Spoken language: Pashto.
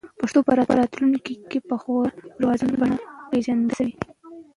پښتو به په راتلونکي کې په خورا روانه بڼه وپیژندل شي.